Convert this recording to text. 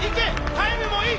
タイムもいい！